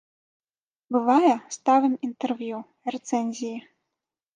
Бывае, ставім інтэрв'ю, рэцэнзіі.